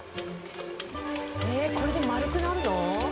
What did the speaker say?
えっこれで丸くなるの？